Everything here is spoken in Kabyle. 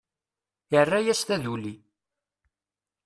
Irra-yas taduli.